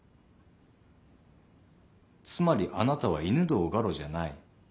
つまりあなたは犬堂ガロじゃない。